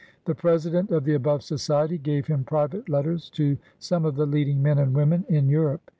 The President of the above Society gave him AN AMERICAN BONDMAN. 61 private letters to some of the leading men and women in Europe.